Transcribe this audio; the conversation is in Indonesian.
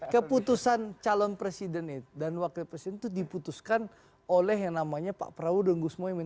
keputusan calon presiden dan wakil presiden itu diputuskan oleh yang namanya pak prabowo dan gus mohaimin